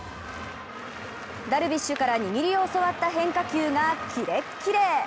ダルビッシュから握りを教わった変化球がキレッキレ。